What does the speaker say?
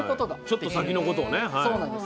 ちょっと先のことをね。